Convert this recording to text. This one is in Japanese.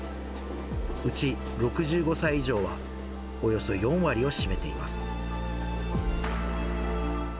うち６５歳以上はおよそ４割を占めています。